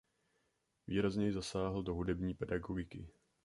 Výrazněji zasáhl do hudební pedagogiky.